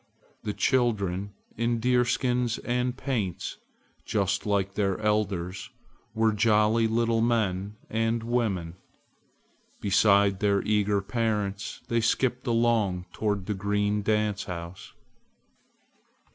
The children in deerskins and paints, just like their elders, were jolly little men and women. Beside their eager parents they skipped along toward the green dance house.